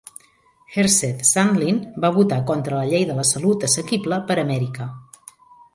Herseth Sandlin va votar contra la Llei de la salut assequible per a Amèrica.